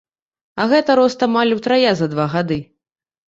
А гэта рост амаль утрая за два гады!